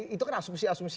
itu kan asumsi asumsi